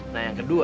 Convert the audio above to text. nah yang kedua